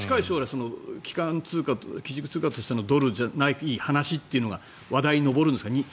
近い将来基軸通貨としてのドルじゃない話が話題に上るんですか？